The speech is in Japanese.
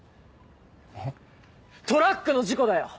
えっ？トラックの事故だよ。